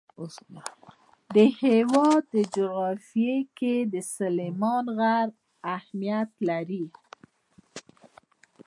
د هېواد جغرافیه کې سلیمان غر اهمیت لري.